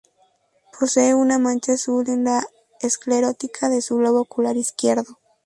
Posee una mancha azul en la esclerótica de su globo ocular izquierdo.